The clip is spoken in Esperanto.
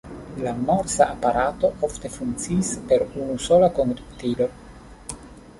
La Morsa-aparato ofte funkciis per unusola konduktilo.